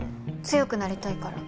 強くなりたいから。